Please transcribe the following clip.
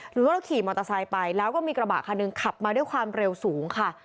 หรือว่าเราขี่มอเตอร์ไซค์ไปแล้วก็มีกระบะคันหนึ่งขับมาด้วยความเร็วสูงค่ะ